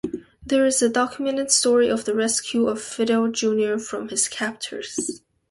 There is a documented story of the rescue of Fidel Junior from his captors.